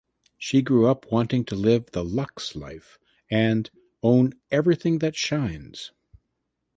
She grew up wanting to live the luxe life and own everything that shines.